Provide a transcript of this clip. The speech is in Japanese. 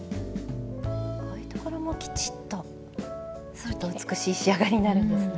こういうところもきちっとすると美しい仕上がりになるんですね。